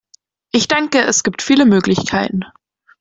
Ich denke, es gibt viele Möglichkeiten.